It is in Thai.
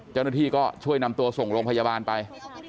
เจ้าหน้าที่ก็ช่วยนำตัวส่งโรงพยาบาลไป